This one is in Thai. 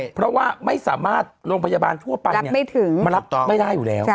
เพราะว่าไม่สามารถโรงพยาบาลทั่วไปมารับไม่ได้อยู่แล้ว